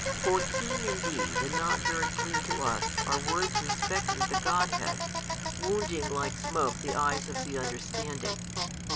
For keen indeed and not very clear to us are words respecting the Godhead, wounding like smoke the eyes of the understanding.